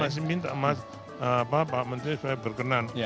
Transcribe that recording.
mas kaisang masih minta pak menteri saya berkenan